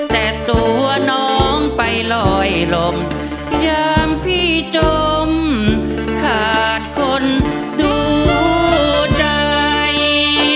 แต่ตัวน้องไปลอยลมยามพี่จมขาดคนดูใจ